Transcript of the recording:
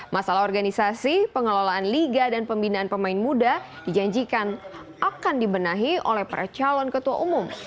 masalah organisasi pengelolaan liga dan pembinaan pemain muda dijanjikan akan dibenahi oleh para calon ketua umum